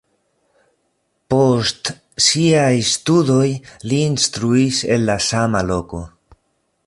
Post siaj studoj li instruis en la sama loko.